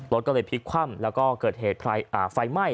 รถก็เลยพลิกคว่ำแล้วก็เกิดเหตุไฟไหม้